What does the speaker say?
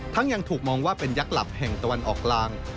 ยังถูกมองว่าเป็นยักษ์หลักแห่งตะวันออกกลาง